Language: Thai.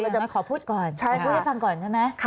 คุณอย่างนั้นขอพูดก่อนคุณพูดให้ฟังก่อนใช่ไหมค่ะ